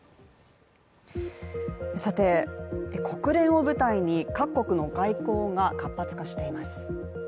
国連を舞台に、各国の外交が活発化しています。